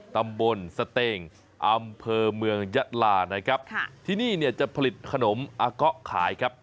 ตำบลสเตงอำเภอเมืองยะลานะครับค่ะที่นี่เนี่ยจะผลิตขนมอาเกาะขายครับ